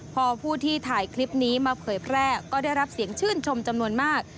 พอผู้ที่ถ่ายคลิปนี้มาเผยแพร่ก็ได้รับเสียงชื่นชมจำนวนมาก